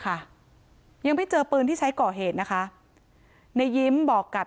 ค่ะยังไม่เจอปืนที่ใช้ก่อเหตุนะคะในยิ้มบอกกับ